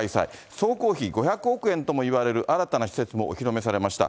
総工費５００億円ともいわれる新たな施設もお披露目されました。